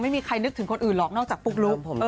ไม่มีใครนึกถึงคนอื่นหรอกนอกจากปุ๊กลุ๊ก